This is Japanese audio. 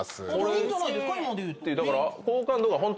いいんじゃないですか？